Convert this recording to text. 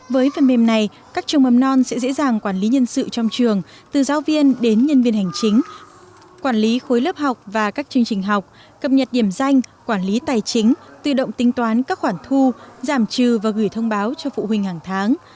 với phần mềm này các trường mầm non sẽ dễ dàng quản lý nhân sự trong trường từ giáo viên đến nhân viên hành chính quản lý khối lớp học và các chương trình học cập nhật điểm danh quản lý tài chính tự động tính toán các khoản thu giảm trừ và gửi thông báo cho phụ huynh hàng tháng